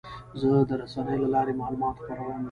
زه د رسنیو له لارې معلومات خپروم.